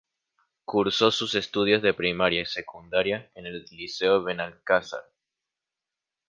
Cursó sus estudios de primaria y secundaria en el Liceo Benalcázar.